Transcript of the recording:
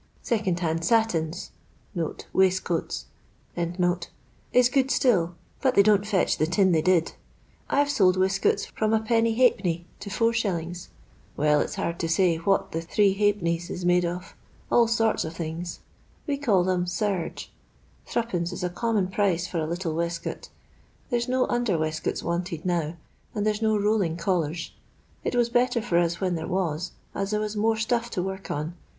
Second hand satins (waistcoau) is good Still, but they don't fetch the tin they did. I 've sold wes kets from l^d. to it. Well, it's hard to say what the three ha'pennies is made of ; all sorts of things ; we calls them ' serge.' Three pence is a common price for a little wesket There's no nnder wesketi wanted now, and there 's no rolling colkrs. It was better for us when there was, as there was more stuff to work on.